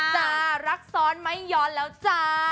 จ้ารักซ้อนไม่ย้อนแล้วจ้า